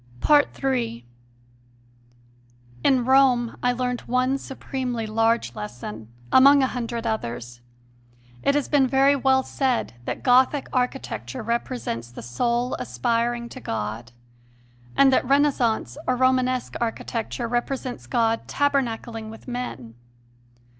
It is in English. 3. In Rome I learned one supremely large lesson, among a hundred others. It has been very well said that Gothic architecture represents the soul aspiring to God, and that Renaissance or Romanesque architecture represents God taberna cling with men.